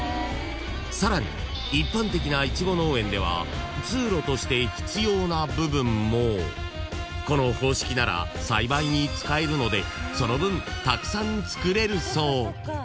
［さらに一般的ないちご農園では通路として必要な部分もこの方式なら栽培に使えるのでその分たくさん作れるそう］